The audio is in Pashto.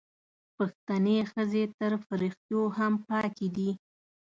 پښتنې ښځې تر فریښتو هم پاکې دي